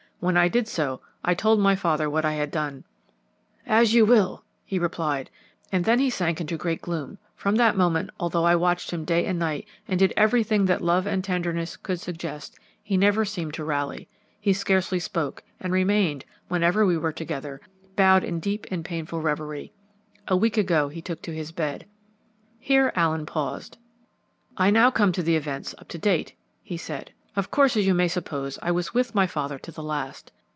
When I did so I told my father what I had done. "'As you will,' he replied, and then he sank into great gloom. From that moment, although I watched him day and night, and did everything that love and tenderness could suggest, he never seemed to rally. He scarcely spoke, and remained, whenever we were together, bowed in deep and painful reverie. A week ago he took to his bed." Here Allen paused. "I now come to events up to date," he said. "Of course, as you may suppose, I was with my father to the last.